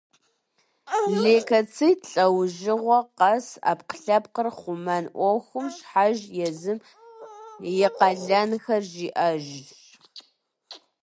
Лейкоцит лӏэужьыгъуэ къэс ӏэпкълъэпкъыр хъумэн ӏуэхум щхьэж езым и къалэнхэр щиӏэжщ.